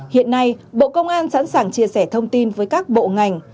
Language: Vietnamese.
hiện nay bộ công an sẵn sàng chia sẻ thông tin với các bộ ngành